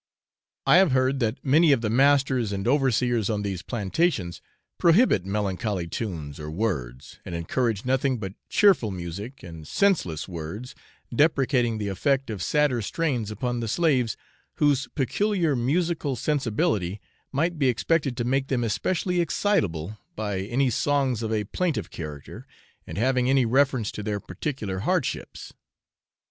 I have heard that many of the masters and overseers on these plantations prohibit melancholy tunes or words, and encourage nothing but cheerful music and senseless words, deprecating the effect of sadder strains upon the slaves, whose peculiar musical sensibility might be expected to make them especially excitable by any songs of a plaintive character, and having any reference to their particular hardships.